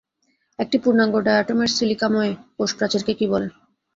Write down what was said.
একটি পূর্ণাঙ্গ ডায়াটমের সিলিকাময় কোষপ্রাচীরকে কী বলে?